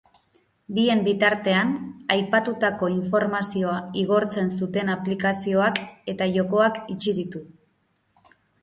Bien bitartean, aipatutako informazioa igortzen zuten aplikazioak eta jokoak itxi ditu.